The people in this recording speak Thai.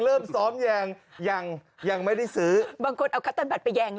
เริ่มซ้อมแยงยังยังไม่ได้ซื้อบางคนเอาคัตเติ้บัตรไปแยงนะ